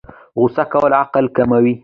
غوسه کول عقل کموي